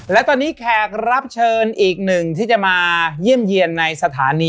และตอนนี้แขกรับเชิญอีกหนึ่งที่จะมาเยี่ยมเยี่ยนในสถานี